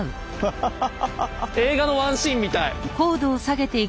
映画のワンシーンみたい。